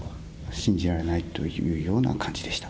信じられないというような感じでした。